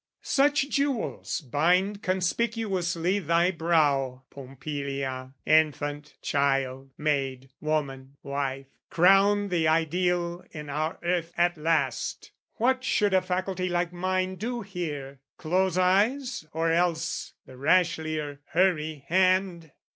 Such jewels bind conspicuously thy brow, Pompilia, infant, child, maid, woman, wife Crown the ideal in our earth at last! What should a faculty like mine do here? Close eyes, or else, the rashlier hurry hand!